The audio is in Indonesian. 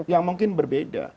yang mungkin berbeda